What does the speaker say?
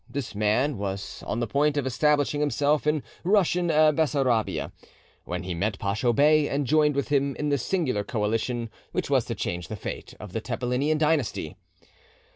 This man was on the point of establishing himself in Russian Bessarabia, when he met Pacho Bey and joined with him in the singular coalition which was to change the fate of the Tepelenian dynasty.